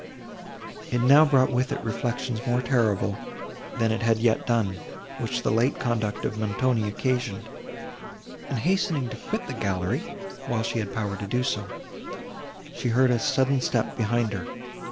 It now brought with it reflections more terrible, than it had yet done, which the late conduct of Montoni occasioned; and, hastening to quit the gallery, while she had power to do so, she heard a sudden step behind her.